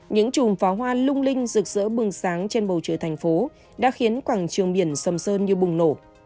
những chùm pháo hoa lung linh rực rỡ bừng sáng trên bầu trời thành phố đã khiến quảng trường biển sầm sơn như bùng nổ